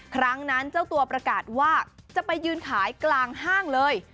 ครั้งนั้นเจ้าตัวประกาศว่าจะไปยืนขายกลางห้างเลย